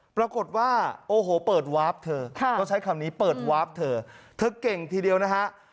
ปรากฏว่าโอ้โหเปิดวาร์ฟเธอเขาใช้คำนี้เปิดวาร์ฟเธอเธอเก่งทีเดียวนะฮะ